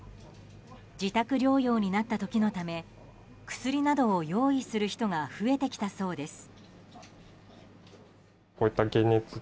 自宅療養になった時のため薬などを用意する人が増えてきたそうです。